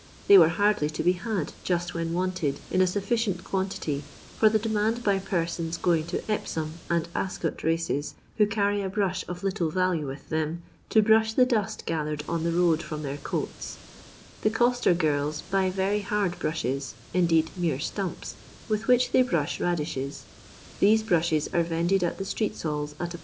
They were hardly to be had just when wanted, in a sufficient quantity, for the demand by persons going to Epsom and Ascot races, who carry a brush of little value with them. LONDON LABOUR AND THE LONDON POOIL to broih tlie doit gathered cm the road from their ooati. The cotter girii hay very hard bruihes, indeed mere ftumpe, with which they broth mdiahei ; theee bmaheft are Tended at the itreet ftallsatlif.